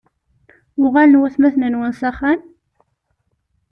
Uɣalen watmaten-nwen s axxam?